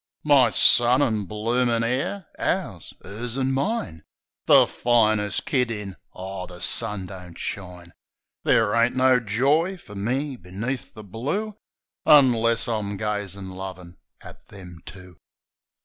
My son an' bloomin' 'eir ... Ours !... 'Ers an' mine ! The finest kid in — Aw, the sun don't shine — Ther' ain't no joy far me beneath the blue Unless I'm gazin' lovin' at them two.